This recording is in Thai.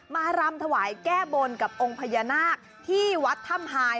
รำถวายแก้บนกับองค์พญานาคที่วัดถ้ำหาย